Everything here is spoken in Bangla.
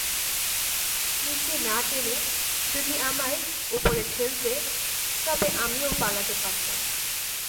নিচে না টেনে যদি আমায় উপরে ঠেলতে, তবে আমিও পালাতে পারতাম।